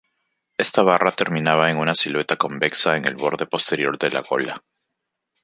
Esta barra terminaba en una silueta convexa en el borde posterior de la gola.